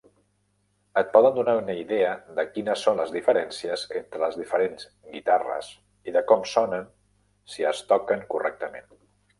Et poden donar una idea de quines són les diferències entre les diferents guitarres i de com sonen si es toquen correctament.